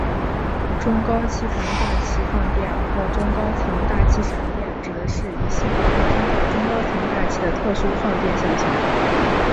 中高层大气放电或中高层大气闪电指的是一系列发生在中高层大气的特殊放电现象。